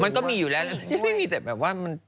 มันก็มีอยู่แล้วไม่มีแต่แบบว่า